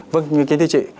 vâng kính thưa chị